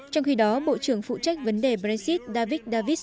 trong khi đó bộ trưởng phụ trách vấn đề brexit david davis